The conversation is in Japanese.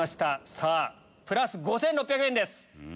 さぁプラス５６００円です。